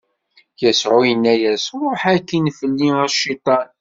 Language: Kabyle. Yasuɛ inna-as: Ṛuḥ akkin fell-i, a Cciṭan!